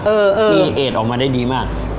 ที่เอสออกมาได้ดีมาก